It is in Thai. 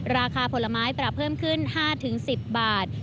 ราคาผลไม้ปรับเพิ่มขึ้น๕๑๐บาท